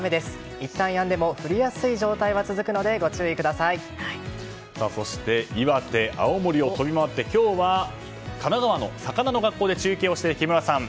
いったん、やんでも降りやすい状態は続くのでそして岩手、青森を飛び回って今日は神奈川の魚の学校で中継をした木村さん。